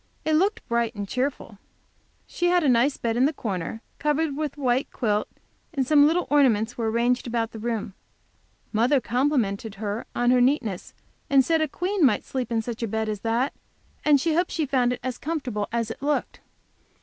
It looked bright and cheerful. She had a nice bed in the corner, covered with a white quilt, and some little ornaments were arranged about the room. Mother complimented her on her neatness, and said a queen might sleep in such a bed as that, and hoped she found it as comfortable as it looked.